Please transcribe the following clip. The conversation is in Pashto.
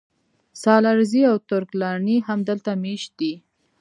سالارزي او ترک لاڼي هم دلته مېشت دي